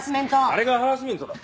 誰がハラスメントだ。